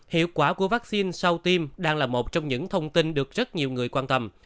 hiệu quả của vaccine sau tiêm đang là một trong những thông tin được rất nhiều người quan tâm